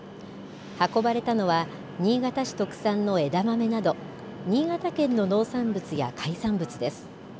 運ばれたのは新潟市特産の枝豆など新潟県の農産物や海産物です。